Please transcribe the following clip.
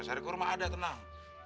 sari kurma ada tenang